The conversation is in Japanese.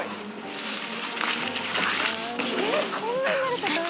［しかし］